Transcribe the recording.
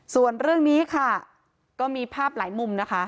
ส่วนเรื่องนี้ค่ะก็มีภาพหลายมุมนะคะ